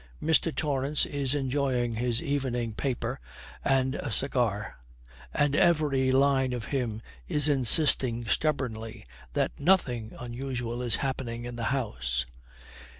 Mr. Torrance is enjoying his evening paper and a cigar, and every line of him is insisting stubbornly that nothing unusual is happening in the house.